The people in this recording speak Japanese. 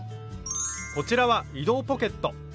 こちらは移動ポケット。